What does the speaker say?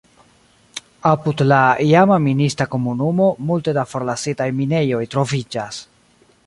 Apud la iama minista komunumo multe da forlasitaj minejoj troviĝas.